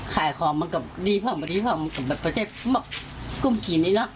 ขายของมันกับดีพร้อมมันกับประเทศกุ้มกินนี่เนอะ